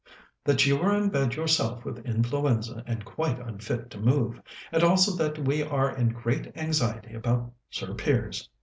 "That you were in bed yourself with influenza, and quite unfit to move; and also that we are in great anxiety about Sir Piers."